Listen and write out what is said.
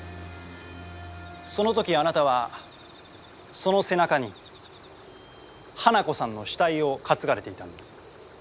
その時あなたはその背中に花子さんの死体を担がれていたんです。